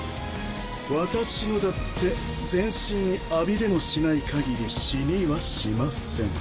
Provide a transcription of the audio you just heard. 私のだって全身に浴びでもしないかぎり死にはしません。